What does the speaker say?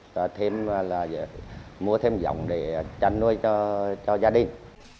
và mua thêm dòng để chăn nuôi cho gia đình